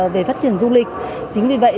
về phát triển du lịch chính vì vậy